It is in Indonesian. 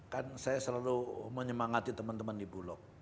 kan saya selalu menyemangati teman teman di bulog